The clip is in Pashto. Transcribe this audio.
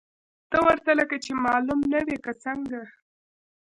ته ورته لکه چې معلوم نه وې، که څنګه؟